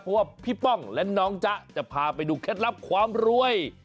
เพราะว่าพี่ป้องและน้องจ๊ะจะพาไปดูเคล็ดลับความรวย